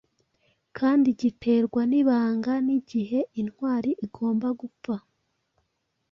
kandi giterwa nibanga ni igihe intwari igomba gupfa